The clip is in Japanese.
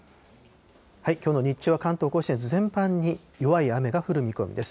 きょうの日中は関東甲信越、全般に弱い雨が降る見込みです。